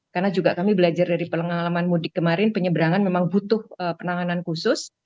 karena juga kami belajar dari pengalaman mudik kemarin penyebrangan memang butuh penanganan khusus